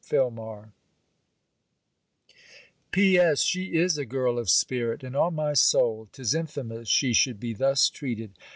FILMAR P.S. She is a girl of spirit! And, on my soul, 'tis infamous she should be thus treated!